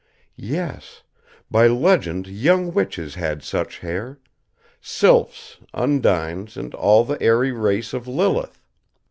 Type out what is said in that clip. _" Yes, by legend young witches had such hair; sylphs, undines and all of the airy race of Lilith.